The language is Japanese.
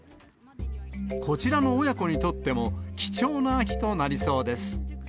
こちらの親子にとっても、貴重な秋となりそうです。